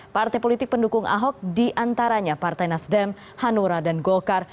partai politik pendukung ahok diantaranya partai nasdem hanura dan golkar